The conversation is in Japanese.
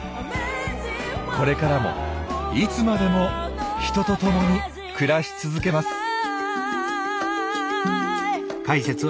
これからもいつまでも人と共に暮らし続けます。